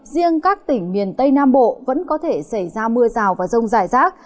riêng các tỉnh miền tây nam bộ vẫn có thể xảy ra mưa rào và rông rải rác